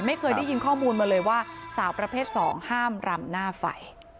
ไม่เคยได้ยินข้อมูลมาเลยว่าสาวประเภท๒ห้ามรำหน้าไฟ